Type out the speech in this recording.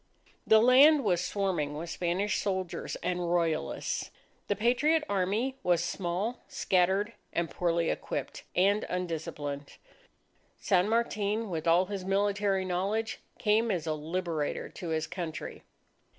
The land was swarming with Spanish soldiers and Royalists. The patriot Army was small, scattered, and poorly equipped, and undisciplined. San Martin, with all his military knowledge, came as a Liberator to his Country.